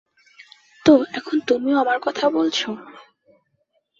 তো, এখন তুমিও আমার কথা বলছ?